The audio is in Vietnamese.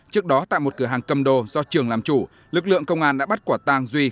trước đó tại một cửa hàng cầm đồ do trường làm chủ lực lượng công an đã bắt quả tàng duy